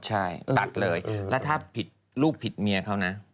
ใช่ตัดเลยแล้วถ้าผิดลูกผิดเมียเขานะ